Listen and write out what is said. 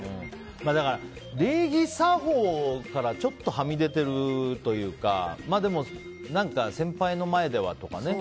だから礼儀作法からちょっとはみ出てるというか先輩の前ではとかね。